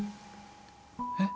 えっ？